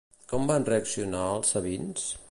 Com van reaccionar els sabins?